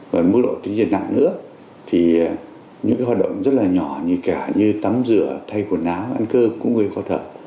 và mức độ tí diện nặng nữa thì những cái hoạt động rất là nhỏ như cả như tắm rửa thay quần áo ăn cơm cũng gây khó thở